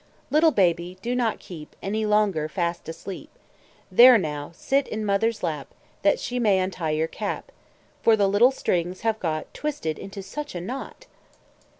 Little baby, do not keep Any longer fast asleep. There, now, sit in mother's lap, That she may untie your cap; For the little strings have got Twisted into such a knot!